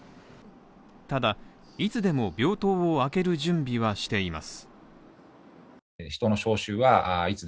ただ、いつでも病棟を空ける準備はしています。